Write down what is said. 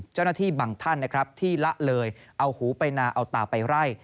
เจ้าหน้าที่บางท่านนะครับที่ละเลยเอาหูไปนาเอาตาไปไล่